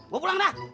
gua pulang dah